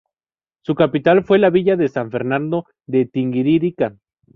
Su capital fue la Villa de San Fernando de Tinguiririca.